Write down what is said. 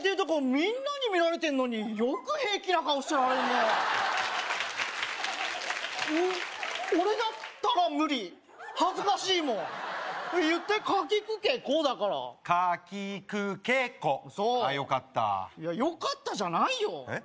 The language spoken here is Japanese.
みんなに見られてんのによく平気な顔してられんねお俺だったら無理恥ずかしいもん言ってかきくけこだからかきくけこそうよかったよかったじゃないよえっ？